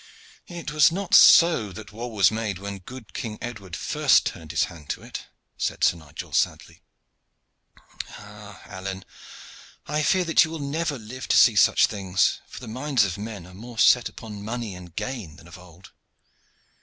"It was not so that war was made when good King Edward first turned his hand to it," said Sir Nigel sadly. "Ah! Alleyne, I fear that you will never live to see such things, for the minds of men are more set upon money and gain than of old.